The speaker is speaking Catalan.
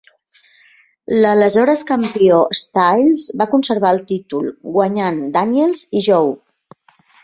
L'aleshores campió Styles va conservar el títol, guanyant Daniels i Joe.